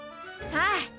ああ。